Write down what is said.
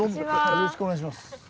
よろしくお願いします。